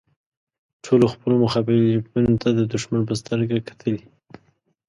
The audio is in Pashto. ټولو خپلو مخالفینو ته د دوښمن په سترګه کتلي.